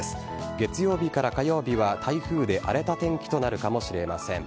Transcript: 月曜日から火曜日は台風で荒れた天気となるかもしれません。